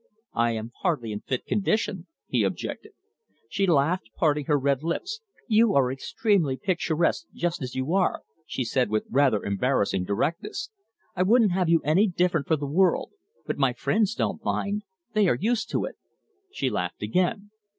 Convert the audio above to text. "I am hardly in fit condition," he objected. She laughed, parting her red lips. "You are extremely picturesque just as you are," she said with rather embarrassing directness. "I wouldn't have you any different for the world. But my friends don't mind. They are used to it." She laughed again.